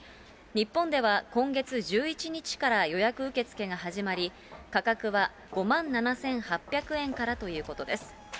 日本では今月１１日から予約受け付けが始まり、価格は５万７８００円からということです。